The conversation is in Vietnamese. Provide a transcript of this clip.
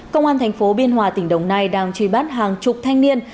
công an thành phố biên hòa tỉnh đồng nai đang truy bắt hàng chục thanh niên